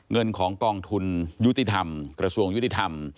เงินของกองทุนยุติธรรมกระทรวงยุติธรรม